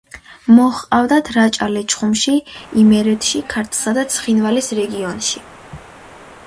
მოჰყავდათ რაჭა-ლეჩხუმში, იმერეთში, ქართლსა და ცხინვალის რეგიონში.